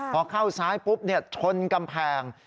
พอเข้าซ้ายปุ๊บชนกำแพง